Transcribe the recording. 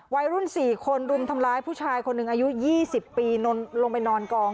วัยรุ่น๔คนรุมทำร้ายผู้ชายคนหนึ่งอายุ๒๐ปีลงไปนอนกอง